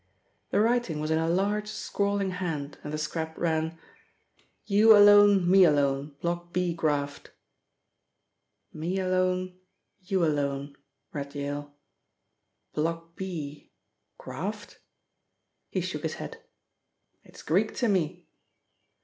The writing was in a large scrawling hand, and the scrap ran: You alone me alone Block B Graft "Me alone.. you alone,'" read Yale. "'Block B.. Graft'?" He shook his head. "It is Greek to me."